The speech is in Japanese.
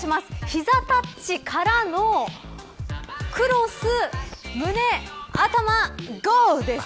膝タッチからのクロス、胸、頭、ゴーです。